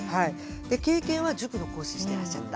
経験は塾の講師してらっしゃった。